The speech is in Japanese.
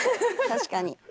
確かに。